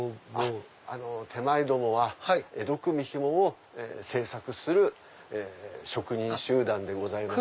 手前どもは江戸組み紐を制作する職人集団でございます。